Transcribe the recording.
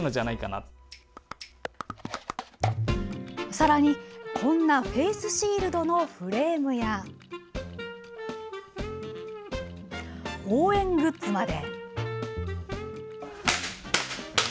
さらに、こんなフェースシールドのフレームや応援グッズまで。